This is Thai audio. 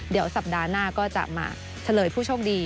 เดี๋ยวสัปดาห์หน้าก็จะมาเฉลยผู้โชคดี